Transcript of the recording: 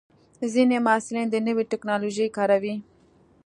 ځینې محصلین د نوې ټکنالوژۍ کاروي.